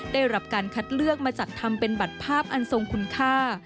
ได้รับการคัดเลือกมาจัดทำเป็นบัตรภาพอันทรงคุณค่า